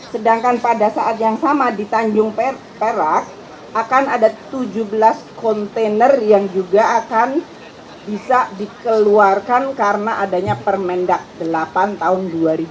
sedangkan pada saat yang sama di tanjung perak akan ada tujuh belas kontainer yang juga akan bisa dikeluarkan karena adanya permendak delapan tahun dua ribu dua puluh